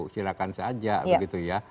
silahkan saja begitu ya